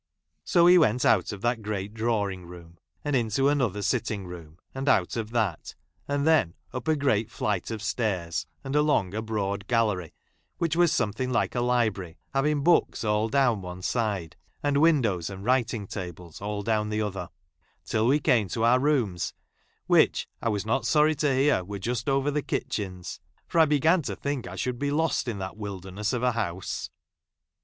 So we went out of that great drawing room, and into another sitting room, and out of that, and then up a great flight of stairs, and along a broad gallery— which was something like a library, having books all down one side, and windows and writing tables all down the other '— till we came to our rooms, which I was not 1 sorry to hear were just over the kitchens ; for ' I began to think I should be lost in that wilder 1' ness of a house.